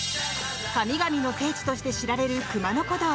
神々の聖地として知られる熊野古道。